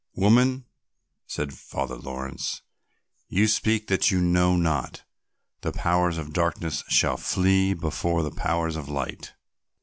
"Woman," said Father Laurence, "you speak that you know not, the powers of darkness shall flee before the powers of light."